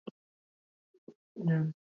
Vijana walifika mia saba